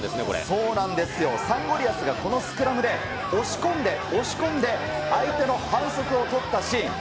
そうなんですよ、サンゴリアスがこのスクラムで押し込んで、押し込んで、相手の反則を取ったシーン。